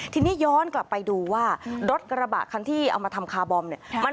ทีนี้ย้อนกลับไปดูว่ารถกระบะคันที่เอามาทำคาร์บอมเนี่ย